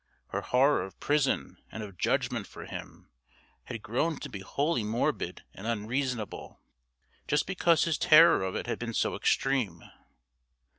Her horror of prison and of judgment for him had grown to be wholly morbid and unreasonable, just because his terror of it had been so extreme.